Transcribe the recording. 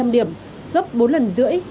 tám ba trăm linh điểm gấp bốn lần rưỡi